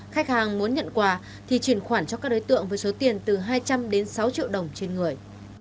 khách hàng muốn nhận quà thì chuyển khoản cho các đối tượng với số tiền từ hai trăm linh đến sáu triệu đồng trên người